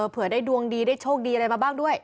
เผื่อได้ดวงดีได้โชคดีอะไรมาบ้างด้วย